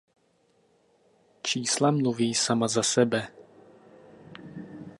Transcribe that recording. Čísla mluví sama za sebe.